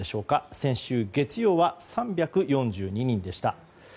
先週月曜は３４２人でした。